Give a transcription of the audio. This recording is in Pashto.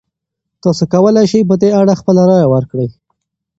تاسو کولی شئ په دې اړه خپله رایه ورکړئ.